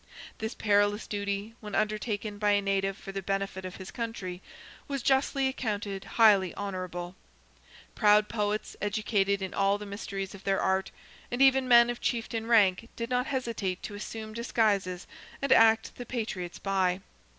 This perilous duty, when undertaken by a native for the benefit of his country, was justly accounted highly honourable. Proud poets, educated in all the mysteries of their art, and even men of chieftain rank, did not hesitate to assume disguises and act the patriot spy.